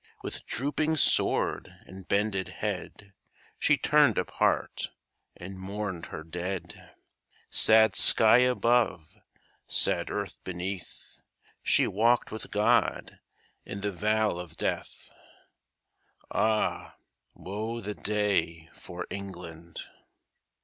With drooping sword and bended head, She turned apart and mourned her dead, Sad sky above, sad earth beneath, She walked with God in the Vale of Death Ah, woe the day for England!